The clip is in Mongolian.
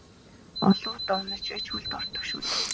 Олон удаа унаж байж хөлд ордог шүү дээ.